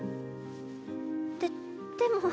ででも。